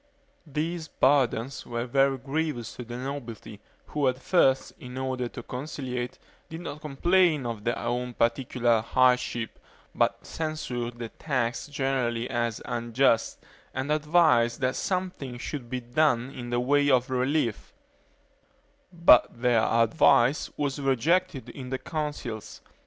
These burdens were very grievous to the nobility, who at first, in order to conciliate, did not complain of their own particular hardships, but censured the tax generally as unjust, and advised that something should be done in the way of relief; but their advice was rejected in the Councils.